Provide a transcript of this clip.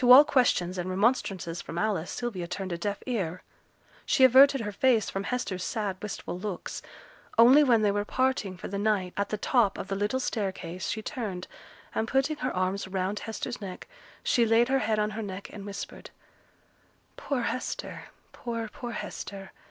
To all questions and remonstrances from Alice, Sylvia turned a deaf ear. She averted her face from Hester's sad, wistful looks; only when they were parting for the night, at the top of the little staircase, she turned, and putting her arms round Hester's neck she laid her head on her neck, and whispered, 'Poor Hester poor, poor Hester!